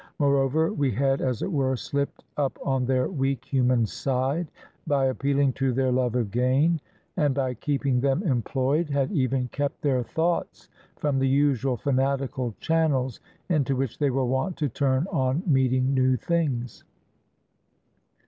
Moreover, we had, as it were, slipped up on their weak human side by appeaUng to their love of gain, and by keeping them employed had even kept their thoughts from the usual fanatical channels into which they were wont to turn on meeting new things.